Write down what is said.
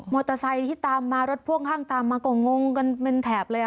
มอเตอร์ไซที่ตามมารถพ่วงห้างตามมาก็งงกันเป็นแถบเลย